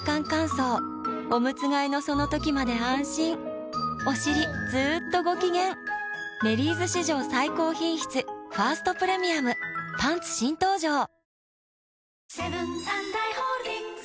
乾燥おむつ替えのその時まで安心おしりずっとご機嫌「メリーズ」史上最高品質「ファーストプレミアム」パンツ新登場！